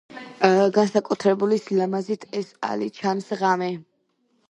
განსაკუთრებული სილამაზით ეს ალი ჩანს ღამე.